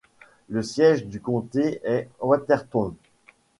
Le siège du comté est Watertown.